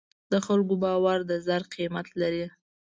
د خلکو باور د زر قیمت لري.